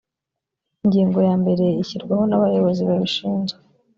ingingo ya mbere ishyirwaho na bayobozi babishizwe